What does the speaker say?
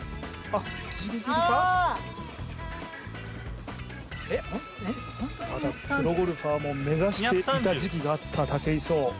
ああただプロゴルファーも目指していた時期があった武井壮